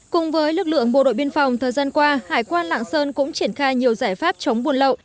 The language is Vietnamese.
cùng với lực lượng bộ đội biên phòng thời gian qua hải quan lạng sơn cũng triển khai nhiều giải pháp chống buôn lậu